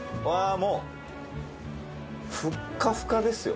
もう、ふっかふかですよ。